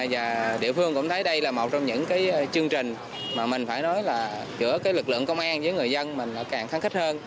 và địa phương cũng thấy đây là một trong những cái chương trình mà mình phải nói là giữa cái lực lượng công an với người dân mình càng kháng khích hơn